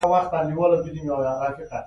• د ټولنیزو طبقو رامنځته کېدل.